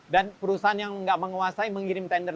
dan perusahaan yang nggak menguasai mengirim tender